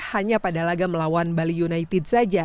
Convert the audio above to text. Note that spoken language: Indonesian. hanya pada laga melawan bali united saja